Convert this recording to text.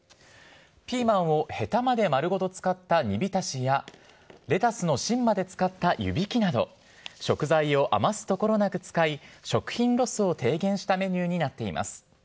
ピーマンをへたまで丸ごと使った煮びたしや、レタスの芯まで使った湯引きなど、食材を余すところなく使い、食品ロスを低減したメニューになっています。